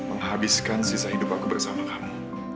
menghabiskan sisa hidup aku bersama kamu